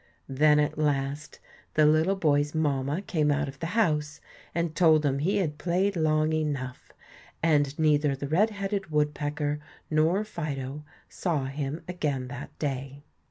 Then, at last, the little boy's mamma came out of the house and told him he had played long enough; and neither the red headed woodpecker nor Fido saw him again that day.